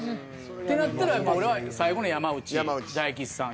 ってなったら俺は最後の山内大吉さん